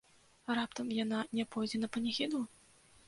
Раптам яна не пойдзе на паніхіду?